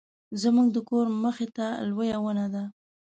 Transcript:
زموږ د کور مخې ته لویه ونه ده